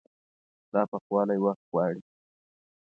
دا پخوالی وخت غواړي.